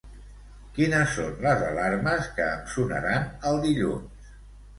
Quines són les alarmes que em sonaran el dilluns?